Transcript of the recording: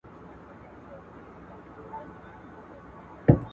د جاهل په هدیره کي د مکتب خښته ایږدمه ..